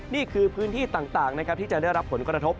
นี่คือพื้นที่ต่างนะครับที่จะได้รับผลกระทบ